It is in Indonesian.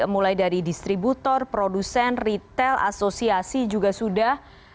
mulai dari distributor produsen retail asosiasi juga sudah